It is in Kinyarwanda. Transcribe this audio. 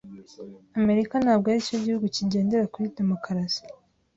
Amerika ntabwo aricyo gihugu kigendera kuri demokarasi.